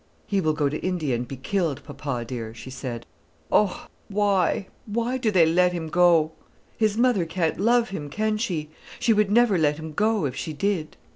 "He will go to India and be killed, papa dear," she said. "Oh! why, why do they let him go? His mother can't love him, can she? She would never let him go, if she did."